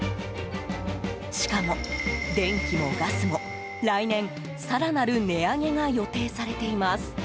しかも、電気もガスも来年、更なる値上げが予定されています。